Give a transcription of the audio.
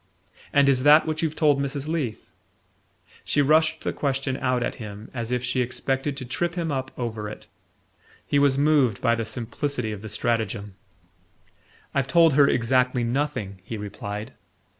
"And is THAT what you've told Mrs. Leath?" She rushed the question out at him as if she expected to trip him up over it. He was moved by the simplicity of the stratagem. "I've told her exactly nothing," he replied.